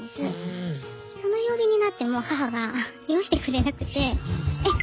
その曜日になっても母が用意してくれなくてえっ